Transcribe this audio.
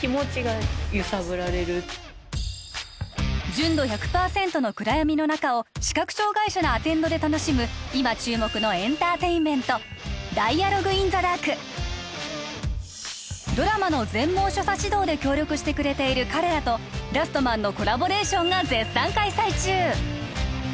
純度１００％の暗闇の中を視覚障害者のアテンドで楽しむ今注目のエンターテインメントドラマの全盲所作指導で協力してくれている彼らと「ラストマン」のコラボレーションが絶賛開催中